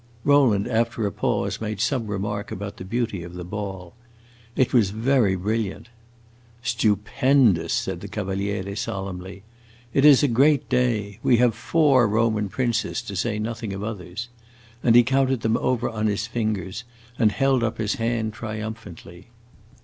Rowland, after a pause, made some remark about the beauty of the ball. It was very brilliant. "Stupendous!" said the Cavaliere, solemnly. "It is a great day. We have four Roman princes, to say nothing of others." And he counted them over on his fingers and held up his hand triumphantly.